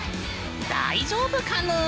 大丈夫かぬん？